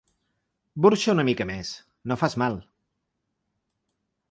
Burxa una mica més, no fas mal.